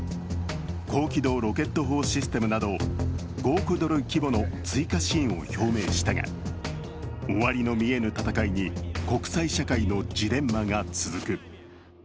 高機動ロケット砲システムなど５億ドル規模の追加支援を表明したが終わりの見えぬ戦いに国際社会のジレンマが続く。